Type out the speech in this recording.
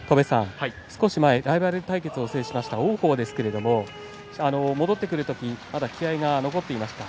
少し前、ライバル対決を制しました王鵬ですが戻ってくる時にまだ気合いが残っていました。